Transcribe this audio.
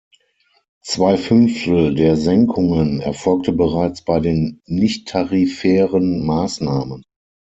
Zwei Fünftel der Senkungen erfolgte bereits bei den nichttarifären Maßnahmen.